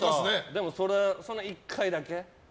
でも、その１回だけ。